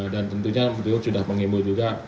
dan tentunya betul sudah mengimbul juga